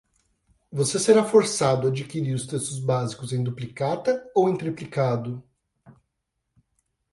Você será forçado a adquirir os textos básicos em duplicata ou em triplicado?